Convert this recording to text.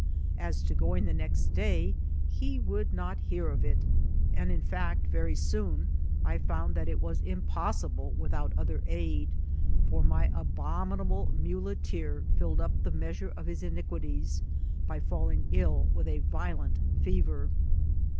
As to going the next day, he would not hear of it ; and, in fact, very soon I found that it was impossible without other aid, for my abominable mule teer filled up the measure of his iniquities by falling ill with a violent fev«r.